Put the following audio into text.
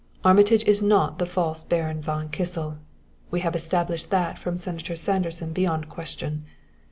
Armitage is not the false Baron von Kissel we have established that from Senator Sanderson beyond question.